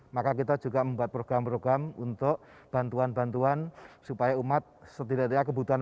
maka kita juga membuat program program untuk bantuan bantuan supaya umat setidaknya kebutuhan